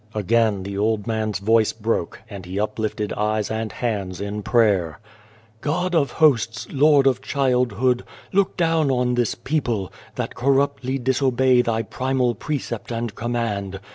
Again the old man's voice broke, and he uplifted eyes and hands in prayer : 265 A World 11 God of Hosts, Lord of Childhood, look down on this people, that corruptly disobey Thy primal precept and command.